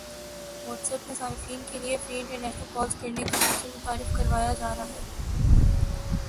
what's app نے صارفین کی لیے فری انٹرنیشنل کالز کرنے کا فیچر متعارف کروایا جا رہا ہے